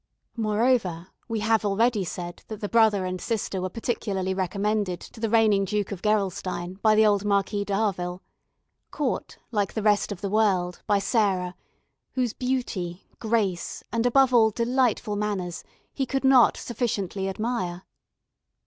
Moreover, we have already said that the brother and sister were particularly recommended to the reigning Duke of Gerolstein by the old Marquis d'Harville, caught, like the rest of the world, by Sarah, whose beauty, grace, and, above all, delightful manners, he could not sufficiently admire.